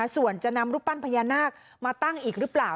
ส่วนจะนำรูปปั้นพญานาคมาตั้งอีกหรือเปล่า